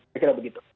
saya kira begitu